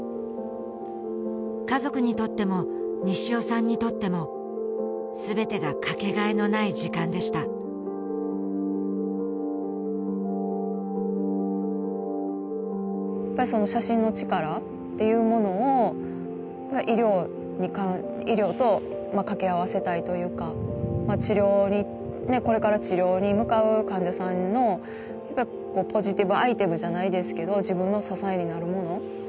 家族にとっても西尾さんにとってもすべてがかけがえのない時間でした写真の力っていうものを医療と掛け合わせたいというかこれから治療に向かう患者さんのポジティブアイテムじゃないですけど自分の支えになるもの